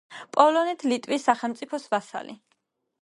პოლონეთ-ლიტვის სახელმწიფოს ვასალი.